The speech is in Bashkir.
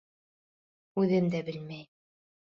Үҙем дә белмәйем...